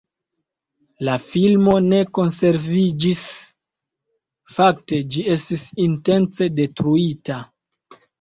La filmo ne konserviĝis, fakte ĝi estis intence detruita.